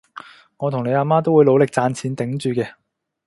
我同你阿媽都會努力賺錢頂住嘅